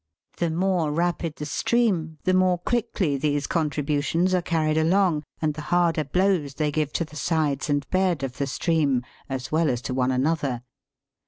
The more rapid the stream, the more quickly these contributions are carried along and the harder blows they give to the sides and bed of the stream, as well as to one another.